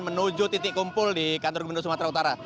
menuju titik kumpul di kantor gubernur sumatera utara